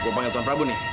gue panggil tuan prabu nih